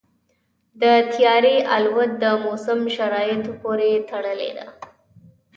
د طیارې الوت د موسم شرایطو پورې تړلې ده.